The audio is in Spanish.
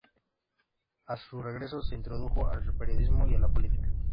A su regreso se introdujo al periodismo y a la política.